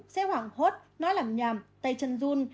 sẽ hoảng hốt nói làm nhằm tay chân run